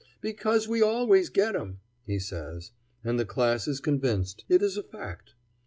"Because we always get 'em," he says; and the class is convinced: it is a fact.